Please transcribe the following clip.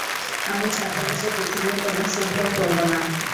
আমি ছদ্মবেশে পৃথিবীর কোনো সুখভোগ করব না।